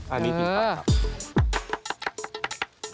อันนี้ดีกว่านครับ